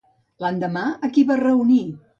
L'endemà, a qui va reunir?